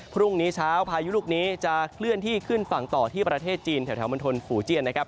พรุ่งนี้เช้าพายุลูกนี้จะเคลื่อนที่ขึ้นฝั่งต่อที่ประเทศจีนแถวมณฑลฝูเจียนนะครับ